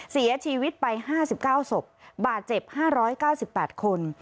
เสียชีวิตไป๕๙ศพบาดเจ็บ๕๙๘คน